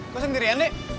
kau sendirian deh